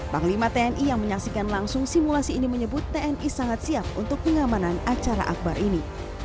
panglima tni yang menyaksikan langsung simulasi ini menyebut tni sangat siap untuk pengamanan acara akbar ini